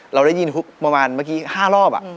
เราได้ยินประมาณเมื่อกี้๕รอบ